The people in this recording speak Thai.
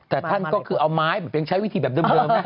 แต่ท่านก็คือเอาไม้ยังใช้วิธีแบบเดิมนะ